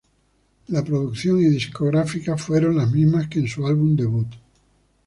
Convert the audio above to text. La producción y discográfica fueron las mismas que en su álbum debut.